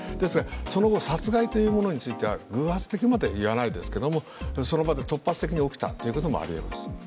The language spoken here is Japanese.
その後、殺害というものについては偶発的とまでは言わないですが、その場で突発的に起きたということもありえます。